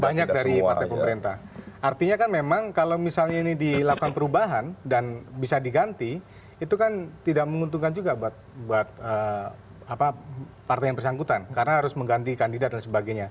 banyak dari partai pemerintah artinya kan memang kalau misalnya ini dilakukan perubahan dan bisa diganti itu kan tidak menguntungkan juga buat partai yang bersangkutan karena harus mengganti kandidat dan sebagainya